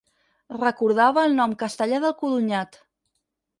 Recordava el nom castellà del codonyat.